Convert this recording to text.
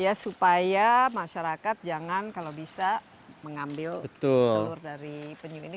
ya supaya masyarakat jangan kalau bisa mengambil telur dari penyu ini